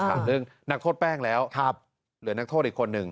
ถามเรื่องนักทดแป้งแล้วหรือนักทดอีกคนนึง